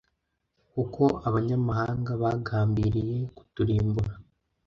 kuko abanyamahanga bagambiriye kuturimbura